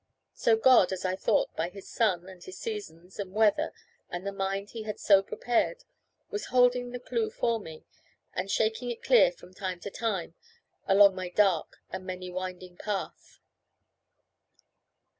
So God, as I thought, by His sun, and His seasons, and weather, and the mind He had so prepared, was holding the clue for me, and shaking it clear from time to time, along my dark and many winding path.